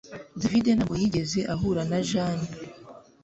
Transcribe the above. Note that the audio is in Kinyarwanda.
David ntabwo yigeze ahura na Jane